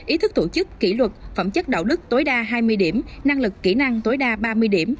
ý thức tổ chức kỷ luật phẩm chất đạo đức tối đa hai mươi điểm năng lực kỹ năng tối đa ba mươi điểm